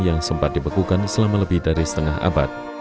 yang sempat dibekukan selama lebih dari setengah abad